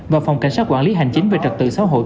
và phòng cảnh sát quản lý hành chính về trật tự xã hội